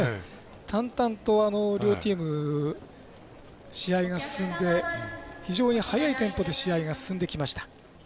淡々と両チーム試合が進んで非常に速いテンポで試合が進んできました。